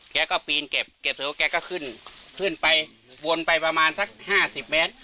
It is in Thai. แกก็ปีนเก็บเก็บเถอะแกก็ขึ้นขึ้นไปวนไปประมาณสักห้าสิบเมตร